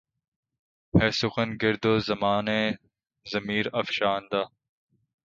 ہے سخن گرد ز دَامانِ ضمیر افشاندہ